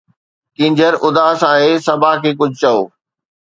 ڪينجهر اداس آهي، صبا کي ڪجهه چئو